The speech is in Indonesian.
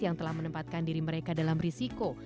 yang telah menempatkan diri mereka dalam risiko